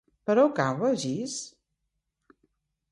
Per on cau Begís?